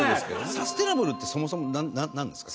サステナブルってそもそもなんですか？